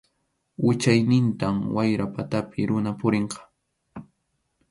Wichaynintam wayra patapi runa purinqa.